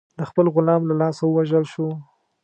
د خپل غلام له لاسه ووژل شو.